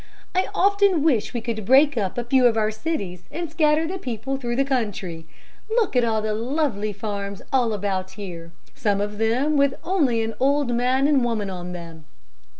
"I often wish we could break up a few of our cities, and scatter the people through the country. Look at the lovely farms all about here, some of them with only an old man and woman on them.